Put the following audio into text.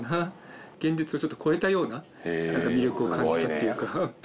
現実をちょっと超えたような魅力を感じたっていうか。